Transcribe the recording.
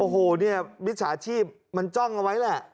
โอ้โหเนี่ยมิจฉาชีพมันจ้องเอาไว้แหละ